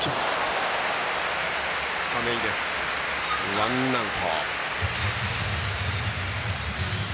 ワンアウト。